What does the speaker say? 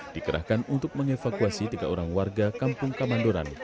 dikerahkan untuk mengevakuasi tiga orang warga kampung kamandoran